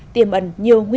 tiềm ẩn nhiều người